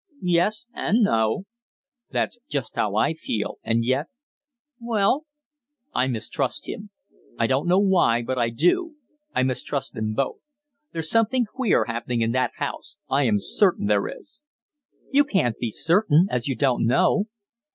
"Yes and no." "That's just how I feel, and yet " "Well?" "I mistrust him. I don't know why, but I do. I mistrust them both. There's something queer happening in that house. I am certain there is." "You can't be certain, as you don't know."